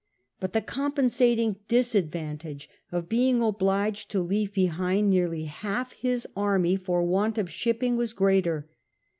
But the compensating disadvantage of being obliged to leave behind nearly half his artny for want of shipping was gx'eater.